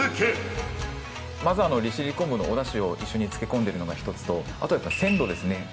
まず利尻昆布のおだしを一緒に漬け込んでいるのがひとつとあとはやっぱり鮮度ですね。